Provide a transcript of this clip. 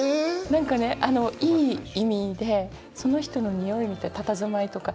何かねいい意味でその人のにおいたたずまいとか。